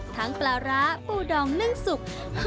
ปลาร้าปูดองนึ่งสุก